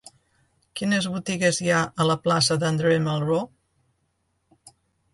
Quines botigues hi ha a la plaça d'André Malraux?